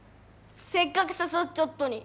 せっかく誘っちょっとに。